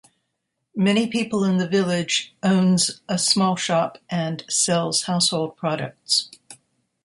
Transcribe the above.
Many people in the village owns a small shop and sells household products.